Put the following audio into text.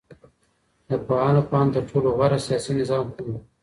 د پوهانو په اند تر ټولو غوره سياسي نظام کوم دی؟